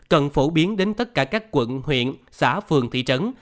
cần phổ biến đến tất cả các quận huyện xã phường thị trấn